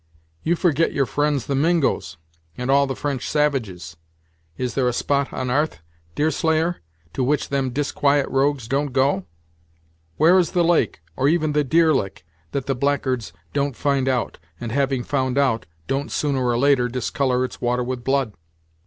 "You forget your friends the Mingos, and all the French savages. Is there a spot on 'arth, Deerslayer, to which them disquiet rogues don't go? Where is the lake, or even the deer lick, that the blackguards don't find out, and having found out, don't, sooner or later, discolour its water with blood."